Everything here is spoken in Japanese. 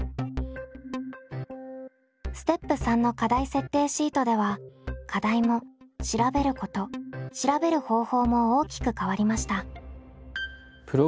ステップ３の課題設定シートでは課題も調べること調べる方法も大きく変わりました。